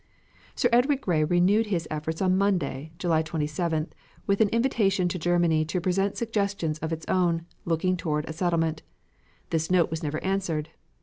Sir Edward Grey renewed his efforts on Monday, July 27th, with an invitation to Germany to present suggestions of its own, looking toward a settlement. This note was never answered.